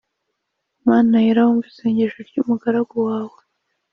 mana yera wumve isengesho ry umugaragu wawe